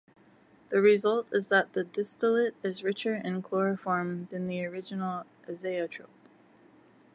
The result is that the distillate is richer in chloroform than the original azeotrope.